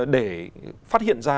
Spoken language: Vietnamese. để phát hiện ra